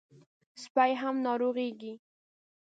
سپي هم ناروغېږي.